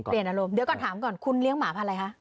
อารมณ์เดี๋ยวก่อนถามก่อนคุณเลี้ยงหมาพันอะไรคะ